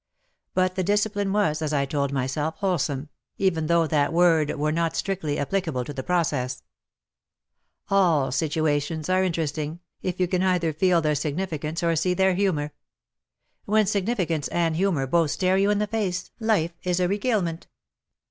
But the dis cipline was, as I told myself, wholesome, even though that word were not strictly applic able to the process, y^// situations are interest ing, if you can either feel their significance or see their humour. When significance and humour both stare you in the face life is a regalement.